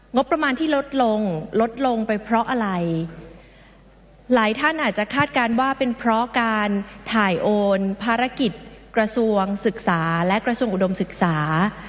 งบประมาณที่ลดลงลดลงไปเพราะอะไรหลายท่านอาจจะคาดการณ์ว่าเป็นเพราะการถ่ายโอนภารกิจกระทรวงศึกษาและกระทรวงอุดมศึกษา